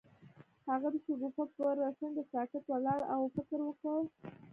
هغه د شګوفه پر څنډه ساکت ولاړ او فکر وکړ.